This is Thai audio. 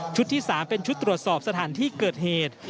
ที่๓เป็นชุดตรวจสอบสถานที่เกิดเหตุ